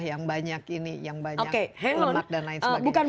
yang banyak ini yang banyak lemak dan lain sebagainya